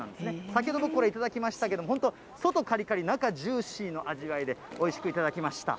先ほど、これ頂きましたけれども、本当、外かりかり、中ジューシーの味わいで、おいしく頂きました。